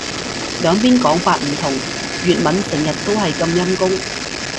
兩邊講法唔同。粵文成日都係咁陰功